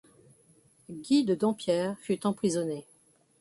Gui de Dampierre fut emprisonné.